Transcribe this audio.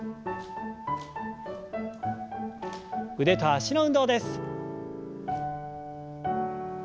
腕と脚の運動です。